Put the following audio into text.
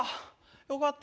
よかった。